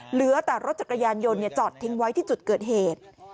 เหลือแต่รถจักรยานยนต์จอดทิ้งไว้ที่จุดเกิดเหตุ